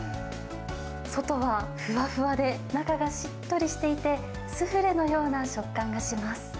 外はふわふわで、中がしっとりしていて、スフレのような食感がします。